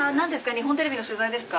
日本テレビの取材ですか？